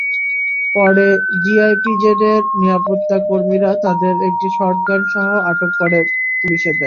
পরে ডিইপিজেডের নিরাপত্তা কর্মীরা তাঁদের একটি শর্টগানসহ আটক করে পুলিশে দেন।